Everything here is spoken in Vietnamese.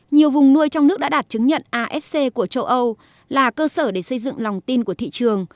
nhiều vùng nuôi trong nước đã đạt chứng nhận asc của châu âu là cơ sở để xây dựng lòng tin của thị trường